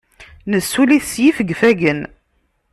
Nessuli-t s yifegfagen.